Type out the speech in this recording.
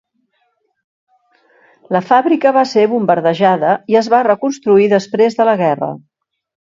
La fàbrica va ser bombardejada i es va reconstruir després de la guerra.